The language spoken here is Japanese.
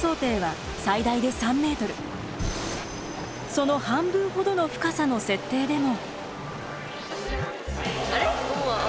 その半分ほどの深さの設定でも。